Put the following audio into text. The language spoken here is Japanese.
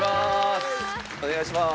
お願いします。